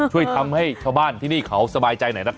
ช่วยทำให้ชาวบ้านที่นี่เขาสบายใจหน่อยนะครับ